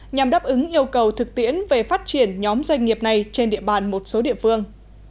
nhằm đáp ứng yêu cầu thực tiễn về phát triển nhóm doanh nghiệp này trên địa bàn một số địa phương